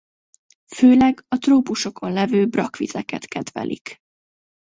Főleg a trópusokon levő brakkvizeket kedvelik.